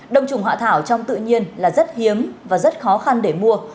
đông trùng hạn thả trong tự nhiên là rất hiếm và rất khó khăn để mua